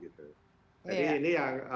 jadi ini yang kita masih harus lakukan